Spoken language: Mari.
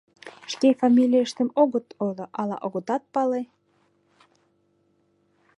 Шке фамилийыштым огыт ойло, ала огытат пале.